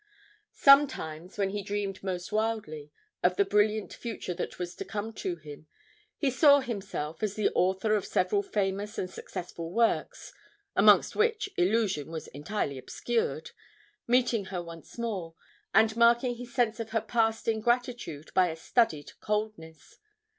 Sometimes, when he dreamed most wildly of the brilliant future that was to come to him, he saw himself, as the author of several famous and successful works (amongst which 'Illusion' was entirely obscured), meeting her once more, and marking his sense of her past ingratitude by a studied coldness.